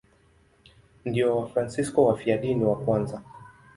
Ndio Wafransisko wafiadini wa kwanza.